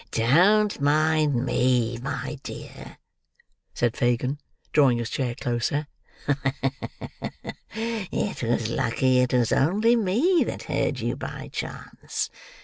"Don't mind me, my dear," said Fagin, drawing his chair closer. "Ha! ha! it was lucky it was only me that heard you by chance.